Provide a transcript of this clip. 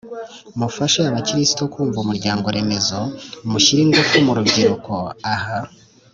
mufashe abakristu kumva umuryango-remezo. mushyire ingufu mu rubyiruko. aha